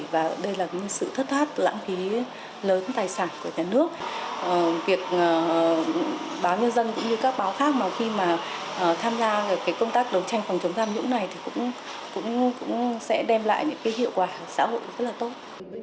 và đây là sự thất thoát lãng phí lớn tài sản của nhà nước việc báo nhân dân cũng như các báo khác mà khi mà tham gia công tác đấu tranh phòng chống tham nhũng này thì cũng sẽ đem lại những cái hiệu quả xã hội rất là tốt